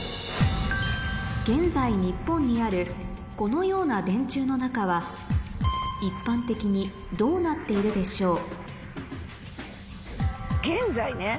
現在日本にあるこのような電柱の中は一般的にどうなっているでしょう？